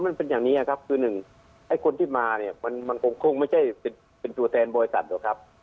มันเป็นอย่างนี้ครับคือหนึ่งไอ้คนที่มาเนี่ยมันคงไม่ใช่เป็นตัวแทนบริษัทหรอกครับ